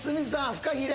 フカヒレ